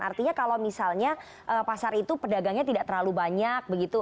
artinya kalau misalnya pasar itu pedagangnya tidak terlalu banyak begitu